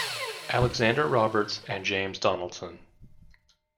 Alexander Roberts and James Donaldson.